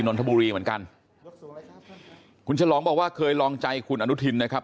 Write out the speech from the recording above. นนทบุรีเหมือนกันคุณฉลองบอกว่าเคยลองใจคุณอนุทินนะครับ